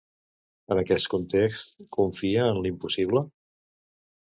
En aquest context, confia en l'impossible?